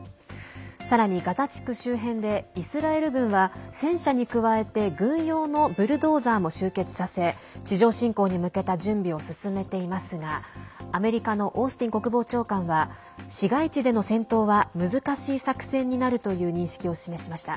さらにガザ地区周辺でイスラエル軍は戦車に加えて軍用のブルドーザーも集結させ地上侵攻に向けた準備を進めていますがアメリカのオースティン国防長官は市街地での戦闘は難しい作戦になるという認識を示しました。